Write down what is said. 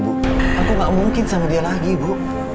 bu aku gak mungkin sama dia lagi bu